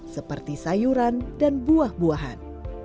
seperti sayuran dan buah buahan